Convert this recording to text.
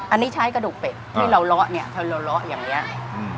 อันนี้ใช้กระดูกเป็ดที่เราเลาะเนี่ยพอเราเลาะอย่างนี้